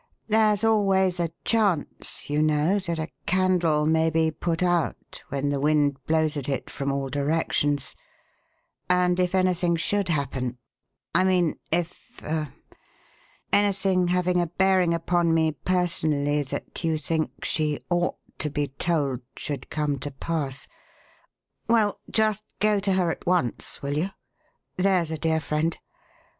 There's always a chance, you know, that a candle may be put out when the wind blows at it from all directions; and if anything should happen I mean if er anything having a bearing upon me personally that you think she ought to be told should come to pass well, just go to her at once, will you? there's a dear friend.